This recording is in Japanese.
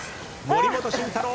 森本慎太郎